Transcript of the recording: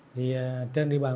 thì trên đi bàn